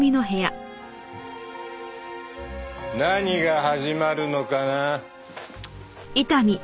何が始まるのかな？